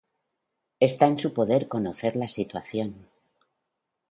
Está en su poder conocer la situación….